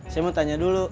saya mau tanya dulu